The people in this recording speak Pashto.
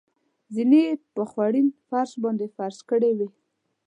زېنې یې په خوړین فرش باندې فرش کړې وې.